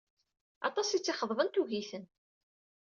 Aṭas i tt-id-ixeḍben, tugi-ten.